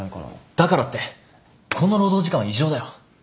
だからってこの労働時間は異常だよ。